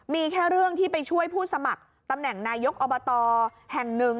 มีแค่เรื่องที่ไปช่วยผู้สมัครตำแหน่งนายกอบตแห่งหนึ่ง